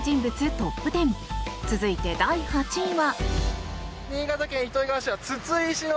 トップ１０続いて第８位は。